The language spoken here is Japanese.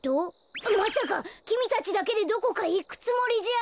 まさかきみたちだけでどこかいくつもりじゃ。